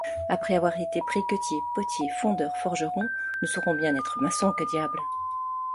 Après avoir été briquetiers, potiers, fondeurs, forgerons, nous saurons bien être maçons, que diable!